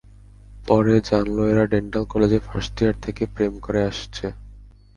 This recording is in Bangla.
পরে জানল এরা ডেন্টাল কলেজে ফার্স্ট ইয়ার থেকে প্রেম করে আসছে।